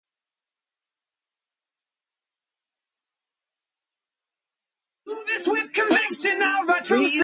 Anidulafungin is manufactured via semisynthesis.